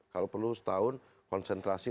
kalau perlu setahun konsentrasi